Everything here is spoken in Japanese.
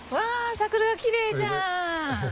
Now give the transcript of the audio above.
桜がきれいじゃん！